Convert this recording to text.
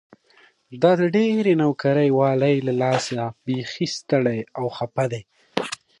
دا د ډېرې نوکري والۍ له لاسه بيخي ستړې او خپه ده.